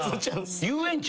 遊園地！？